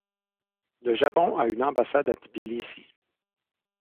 Le Japon a une ambassade à Tbilissi.